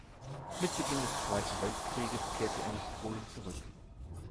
Mit Beginn des Zweiten Weltkrieges kehrte er nach Polen zurück.